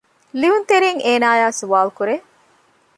ލިޔުންތެރީން އޭނާއާ ސުވާލުކުރޭ